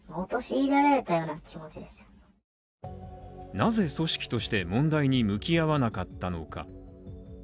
なぜ組織として問題に向き合わなかったのか。